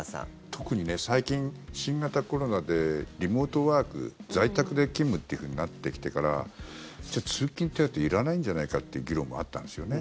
特に最近、新型コロナでリモートワーク在宅で勤務というふうになってきてから通勤手当いらないんじゃないかという議論もあったんですよね。